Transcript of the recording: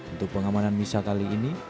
untuk pengamanan misa kali ini